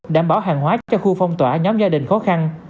đảm bảo hàng hóa cho khu phong tỏa nhóm gia đình khó khăn